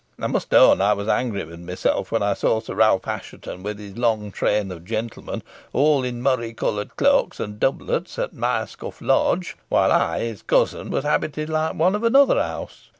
I must own I was angry with myself when I saw Sir Ralph Assheton with his long train of gentlemen, all in murrey coloured cloaks and doublets, at Myerscough Lodge, while I, his cousin, was habited like one of another house.